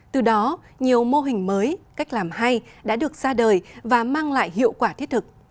từ đó nhiều mô hình mới cách làm hay đã được ra đời và mang lại hiệu quả thiết thực